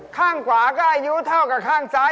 ข้างขวาก็อายุเท่ากับข้างซ้าย